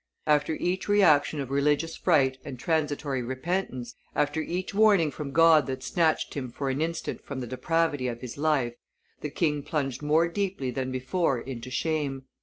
After each reaction of religious fright and transitory repentance, after each warning from God that snatched him for an instant from the depravity of his life, the king plunged more deeply than before into shame.